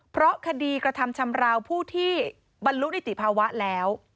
เพราะคดีกระทำชำราวผู้ที่บรรลุนิติภาวะแล้ว